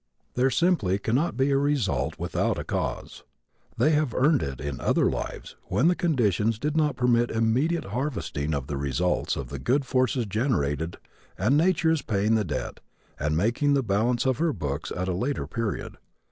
There simply cannot be a result without a cause. They have earned it in other lives when the conditions did not permit immediate harvesting of the results of the good forces generated and Nature is paying the debt and making the balance of her books at a later period.